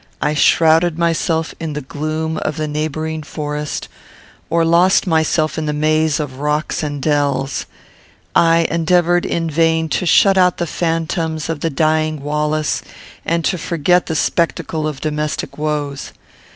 I shrouded myself in the gloom of the neighbouring forest, or lost myself in the maze of rocks and dells. I endeavoured, in vain, to shut out the phantoms of the dying Wallace, and to forget the spectacle of domestic woes.